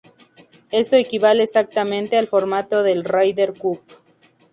Esto equivale exactamente al formato del Ryder Cup.